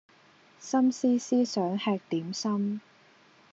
心思思想吃點心